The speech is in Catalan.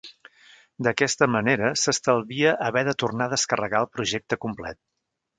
D'aquesta manera s'estalvia haver de tornar a descarregar el projecte complet.